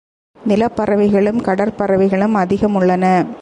நிலப் பறவைகளும் கடற் பறவைகளும் அதிகமுள்ளன.